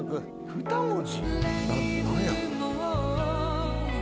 ２文字？